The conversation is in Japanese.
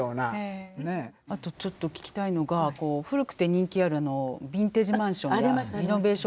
あとちょっと聞きたいのが古くて人気あるビンテージマンションが。ありますあります。